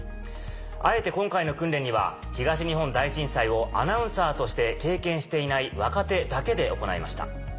あえて今回の訓練には東日本大震災をアナウンサーとして経験していない若手だけで行いました。